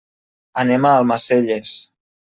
Anem a Almacelles.